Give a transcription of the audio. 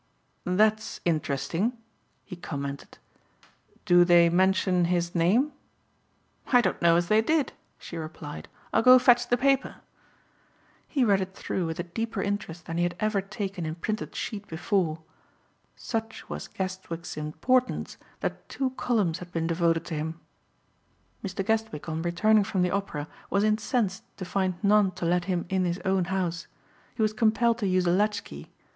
"That's interesting," he commented. "Do they mention his name?" "I don't know as they did," she replied. "I'll go fetch the paper." He read it through with a deeper interest than he had ever taken in printed sheet before. Such was Guestwick's importance that two columns had been devoted to him. Mr. Guestwick on returning from the Opera was incensed to find none to let him in his own house. He was compelled to use a latchkey.